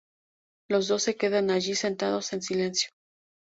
Los dos se quedan allí sentados en silencio.